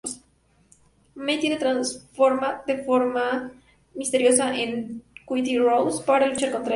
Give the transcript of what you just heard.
Mai se transforma de forma misteriosa en Cutie Rose para luchar contra ella.